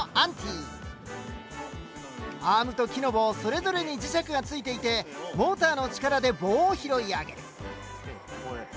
アームと木の棒それぞれに磁石がついていてモーターの力で棒を拾い上げる。